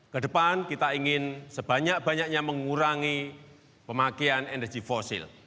kedepan kita ingin sebanyak banyaknya mengurangi pemakaian energi fosil